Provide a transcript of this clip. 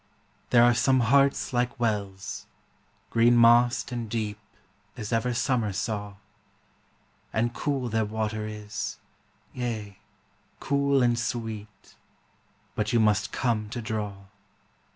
There are some hearts like wells, green mossed and deep As ever Summer saw; And cool their water is, yea, cool and sweet; But you must come to draw.